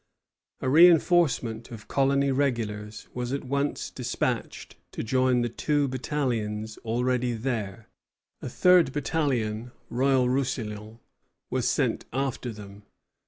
A reinforcement of colony regulars was at once despatched to join the two battalions already there; a third battalion, Royal Roussillon, was sent after them.